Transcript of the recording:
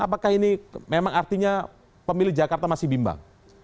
apakah ini memang artinya pemilih jakarta masih bimbang